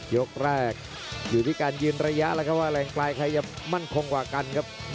ยกแรกอยู่ที่การยืนระยะแล้วครับว่าแรงไกลใครจะมั่นคงกว่ากันครับ